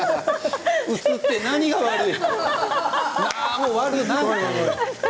映って何が悪い。